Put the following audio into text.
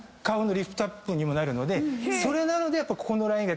それなのでここのラインが。